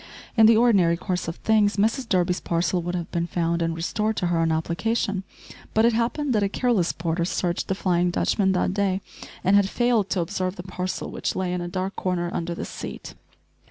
In the ordinary course of things Mrs Durby's parcel would have been found and restored to her on application, but it happened that a careless porter searched the "Flying Dutchman" that day, and had failed to observe the parcel which lay in a dark corner under the seat.